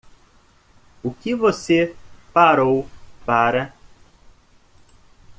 O que você parou para?